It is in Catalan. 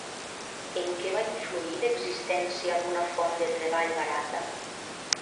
En què va influir l'existència d'una font de treball barata?